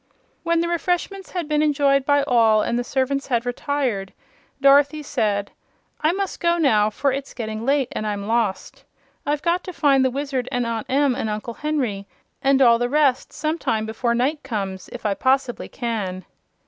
When the refreshments had been enjoyed by all and the servants had retired Dorothy said: "I must go now, for it's getting late and I'm lost. I've got to find the Wizard and Aunt Em and Uncle Henry and all the rest sometime before night comes, if I poss'bly can."